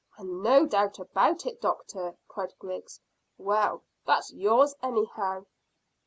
"And no doubt about it, doctor," cried Griggs. "Well, that's yours, anyhow."